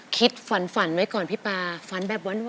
คิดฝันฝันไว้ก่อนพี่ปาฝันแบบหวาน